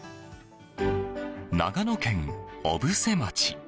長野県小布施町。